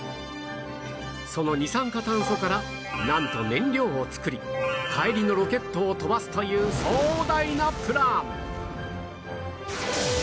その二酸化炭素からなんと燃料を作り帰りのロケットを飛ばすという壮大なプラン！